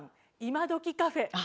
今どきカフェ。